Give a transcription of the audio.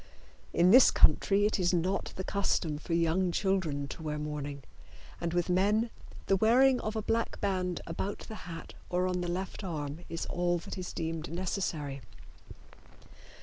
In this country it is not the custom for young children to wear mourning, and with men the wearing of a black band about the hat or on the left arm is all that is deemed necessary.